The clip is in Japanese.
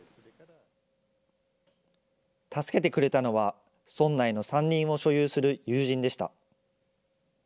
助けてくれたのは、村内の山林を所有する友人でした。